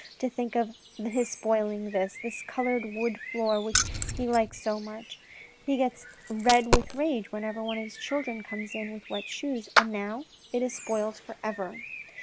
"To think of his spoiling like this, this coloured wood floor which he likes so much ; he gets red with rage whenever one of his children comes into it with wet shoes, and now it is spoilt for ever."